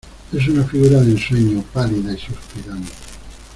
es una figura de ensueño pálida y suspirante